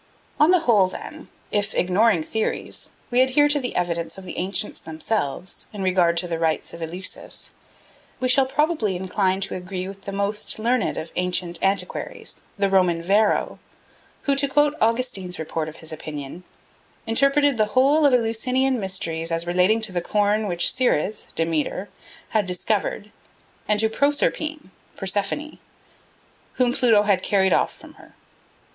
On the whole, then, if, ignoring theories, we adhere to the evidence of the ancients themselves in regard to the rites of Eleusis, we shall probably incline to agree with the most learned of ancient antiquaries, the Roman Varro, who, to quote Augustine's report of his opinion, "interpreted the whole of the Eleusinian mysteries as relating to the corn which Ceres (Demeter) had discovered, and to Proserpine (Persephone), whom Pluto had carried off from her.